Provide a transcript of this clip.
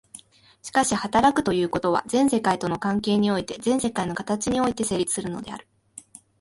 しかし働くということは、全世界との関係において、全世界の形において成立するのである。